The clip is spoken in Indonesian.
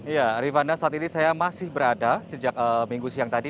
ya rifana saat ini saya masih berada sejak minggu siang tadi